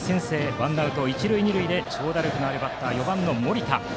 ワンアウト、一塁二塁で長打力のあるバッター４番、森田。